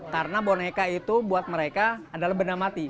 karena boneka itu buat mereka adalah benda mati